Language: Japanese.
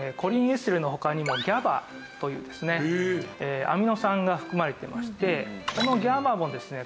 エステルの他にもＧＡＢＡというですねアミノ酸が含まれてましてこのＧＡＢＡもですね